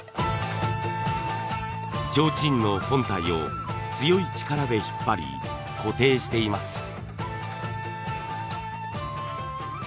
ちょうちんの本体を強い力で引っ張り固定しています。